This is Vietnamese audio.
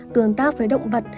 tương tác với động vật